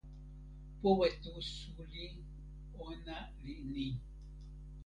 powe tu suli ona li ni: